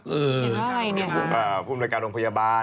เขียนว่าอะไรนี่อ่าภูมิรายการโรงพยาบาล